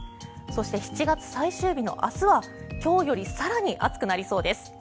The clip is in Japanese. そして、７月最終日の明日は今日より更に暑くなりそうです。